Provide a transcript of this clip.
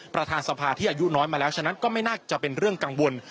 ประธานสภาที่อายุน้อยมาแล้วฉะนั้นก็ไม่น่าจะเป็นเรื่องกังวล